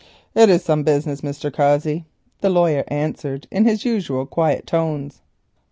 "It is some business, Mr. Cossey," the lawyer answered in his usual quiet tones.